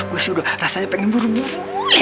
gue sih udah rasanya pengen buru buru liat dia